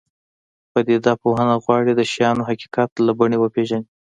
پدیده پوهنه غواړي د شیانو حقیقت له بڼې وپېژني.